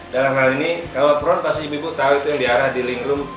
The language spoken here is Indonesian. dalam hal ini kalau front pasti ibu tahu itu yang diarah di link room